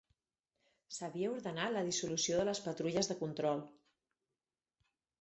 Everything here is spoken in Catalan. S'havia ordenat la dissolució de les patrulles de control